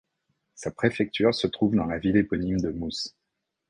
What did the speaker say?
Sa préfecture se trouve dans la ville éponyme de Muş.